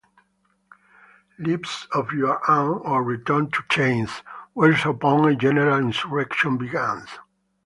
Lives of your own, or a return to chains, whereupon a general insurrection begins.